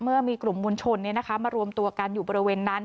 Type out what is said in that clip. เมื่อมีกลุ่มมวลชนมารวมตัวกันอยู่บริเวณนั้น